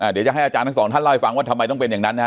เดี๋ยวจะให้อาจารย์ทั้งสองท่านเล่าให้ฟังว่าทำไมต้องเป็นอย่างนั้นนะฮะ